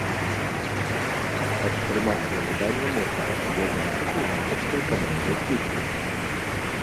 Падтрымаць яе выданне можна, звязаўшыся з аўтарскай камандай фільма.